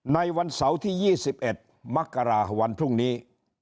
ในวันเสาร์ที่๒๑มกราวันพรุ่งนี้